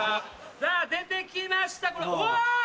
さぁ出てきましたうわ！